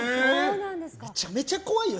めちゃめちゃ怖いよ？